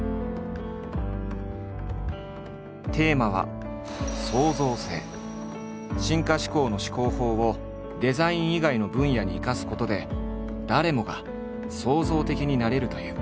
テーマは「進化思考」の思考法をデザイン以外の分野に生かすことで誰もが創造的になれるという。